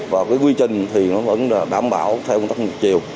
và cái quy trình thì nó vẫn đảm bảo theo công tác một triệu